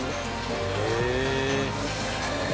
へえ。